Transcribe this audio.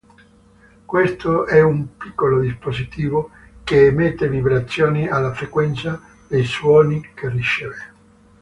Questo è un piccolo dispositivo che emette vibrazioni alla frequenza dei suoni che riceve.